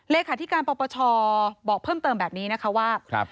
เลขาธิการปปชบอกเพิ่มเติมแบบนี้นะคะว่า